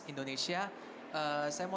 indonesia saya mau